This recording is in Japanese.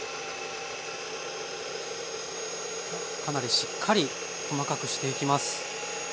かなりしっかり細かくしていきます。